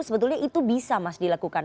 sebetulnya itu bisa mas dilakukan